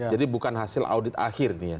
jadi bukan hasil audit akhir ini ya